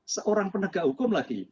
seorang penegak hukum lagi